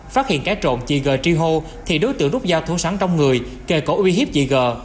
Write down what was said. phát hiện cái trộm chị g tri hô thì đối tượng rút rao thú sắn trong người kề cổ uy hiếp chị g